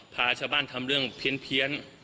พาชาวบ้านทำเรื่องเพี้ยน